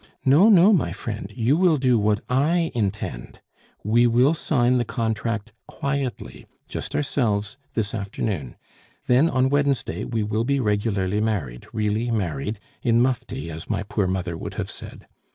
No, no, my friend, you will do what I intend. We will sign the contract quietly just ourselves this afternoon. Then, on Wednesday, we will be regularly married, really married, in mufti, as my poor mother would have said.